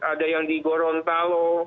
ada yang di gorontalo